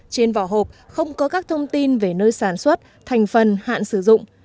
trên vỏ hộp không có các thông tin về nơi sản xuất thành phần hạn sử dụng